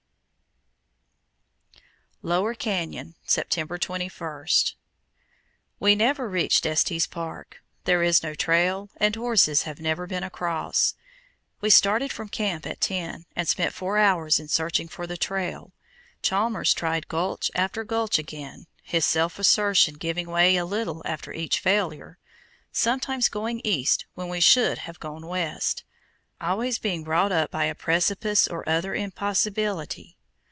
B. LOWER CANYON, September 21. We never reached Estes Park. There is no trail, and horses have never been across. We started from camp at ten, and spent four hours in searching for the trail. Chalmers tried gulch after gulch again, his self assertion giving way a little after each failure; sometimes going east when we should have gone west, always being brought up by a precipice or other impossibility.